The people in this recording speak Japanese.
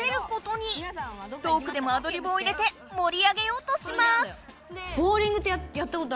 トークでもアドリブを入れて盛り上げようとします！